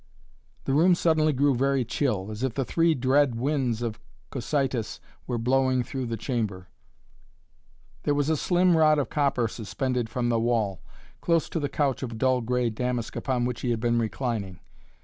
The room suddenly grew very chill, as if the three dread winds of Cocytus were blowing through the chamber. There was a slim rod of copper suspended from the wall, close to the couch of dull grey damask upon which he had been reclining.